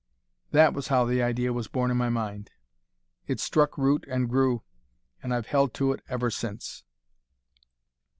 That was how the idea was born in my mind. It struck root and grew, and I've held to it ever since."